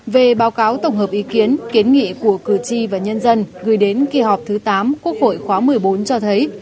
về báo cáo tổng hợp ý kiến kiến nghị của cử tri và nhân dân gửi đến kỳ họp thứ tám quốc hội khóa một mươi bốn cho thấy